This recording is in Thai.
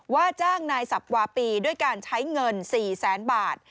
ว่าจ้างนายสับวาปีด้วยการใช้เงิน๔แสนบาท